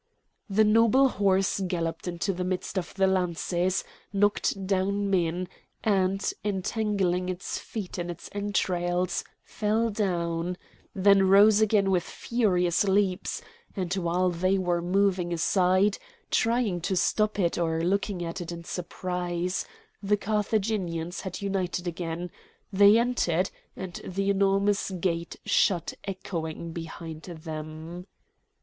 The noble horse galloped into the midst of the lances, knocked down men, and, entangling its feet in its entrails, fell down, then rose again with furious leaps; and while they were moving aside, trying to stop it, or looking at it in surprise, the Carthaginians had united again; they entered, and the enormous gate shut echoing behind them.